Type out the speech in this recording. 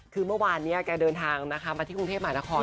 คือเมื่อวานนี้แกเดินทางนะคะมาที่กรุงเทพหมานคร